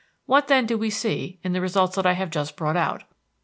What then do we see, in the results that I have just brought out?